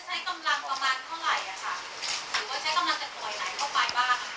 หรือว่าใช้กำลังจากป่วยไหนเข้าไปบ้างครับ